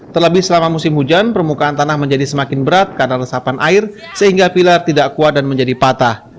terlebih selama musim hujan permukaan tanah menjadi semakin berat karena resapan air sehingga pilar tidak kuat dan menjadi patah